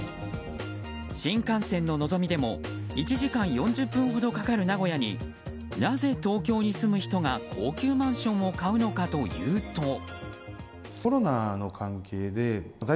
新幹線の「のぞみ」でも１時間４０分ほどかかる名古屋になぜ東京に住む人が高級マンションを買うのかというと。